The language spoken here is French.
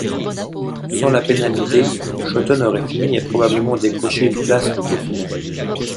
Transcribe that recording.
Sans la pénalité, Schoten aurait fini et probablement décroché une place au tour final.